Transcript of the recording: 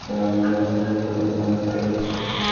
তবে আমার জীবনের সিদ্ধান্তগুলো, তোমার সাথে যুক্ত।